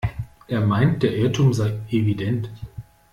Er meint, der Irrtum sei evident.